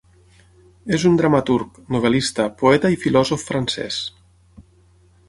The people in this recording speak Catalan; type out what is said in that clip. És un dramaturg, novel·lista, poeta i filòsof francès.